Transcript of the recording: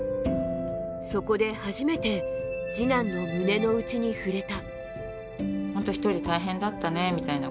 そこで初めて次男の胸の内に触れた。